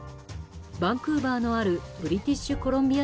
バンクーバーのあるブリティッシュコロンビア